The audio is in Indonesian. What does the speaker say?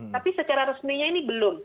tapi secara resminya ini belum